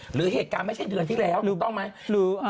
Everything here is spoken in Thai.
หรือเหตุการณ์ไม่ใช่เดือนที่แล้วถูกต้องไหม